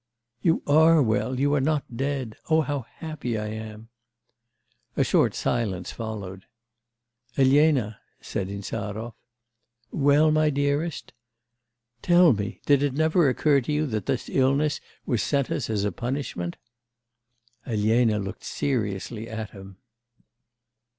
'You are well, you are not dead. Oh, how happy I am!' A short silence followed. 'Elena?' said Insarov. 'Well, my dearest?' 'Tell me, did it never occur to you that this illness was sent us as a punishment?' Elena looked seriously at him.